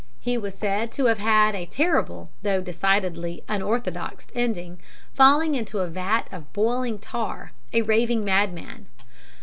He was said to have had a terrible though decidedly unorthodox ending falling into a vat of boiling tar, a raving madman.